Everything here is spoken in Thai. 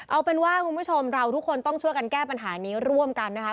เอาเป็นว่าคุณผู้ชมเราทุกคนต้องช่วยกันแก้ปัญหานี้ร่วมกันนะคะ